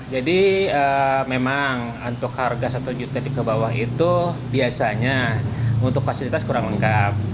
jadi memang untuk harga satu juta di kebawah itu biasanya untuk fasilitas kurang lengkap